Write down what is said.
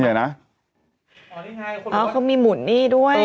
อ๋อนี่ไงคนรู้อ๋อเขามีหมุนนี่ด้วย